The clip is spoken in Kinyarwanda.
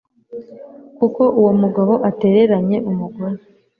kuko uwo mugabo atereranye umugore